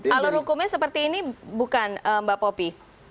alur hukumnya seperti ini bukan mbak popi